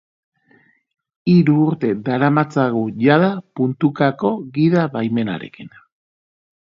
Hiru urte daramatzagu jada puntukako gida-baimenarekin.